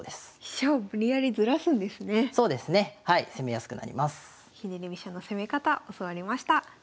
ひねり飛車の攻め方教わりました。